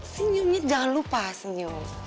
senyumnya jangan lupa senyum